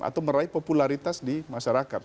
atau meraih popularitas di masyarakat